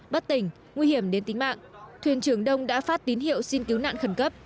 bất tỉnh nguy hiểm đến tính mạng thuyền trưởng đông đã phát tín hiệu xin cứu nạn khẩn cấp